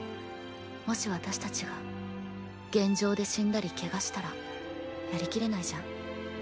もし私達が現場で死んだり怪我したらやりきれないじゃん。